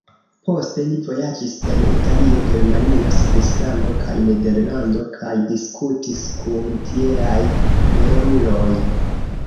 Poste li vojaĝis en Italio, Germanio, Svislando kaj Nederlando kaj diskutis kun tieaj kleruloj.